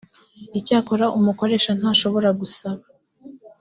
icyakora umukoresha ntashobora gusaba